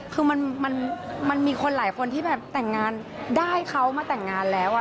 คือมันมีคนหลายคนที่แบบแต่งงานได้เขามาแต่งงานแล้ว